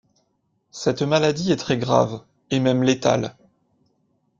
Cette maladie est très grave, et même létale.